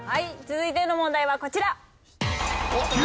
続いての問題はこちら。